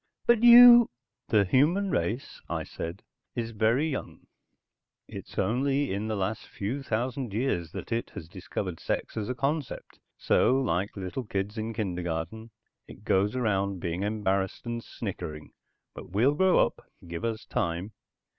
"But you...." "The human race," I said, "is very young. It's only in the last few thousand years that it has discovered sex as a concept. So like little kids in kindergarten it goes around being embarrassed and snickering. But we'll grow up. Give us time."